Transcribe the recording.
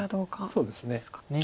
そうですね。